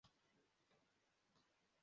Abantu bagenda munzira imbere yikiraro